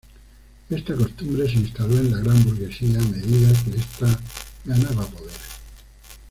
Esta costumbre, se instaló en la "gran burguesía", a medida que esta ganaba poder.